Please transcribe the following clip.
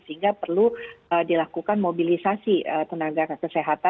sehingga perlu dilakukan mobilisasi tenaga kesehatan